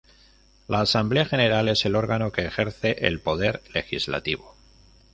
La Asamblea General es el órgano que ejerce el Poder Legislativo.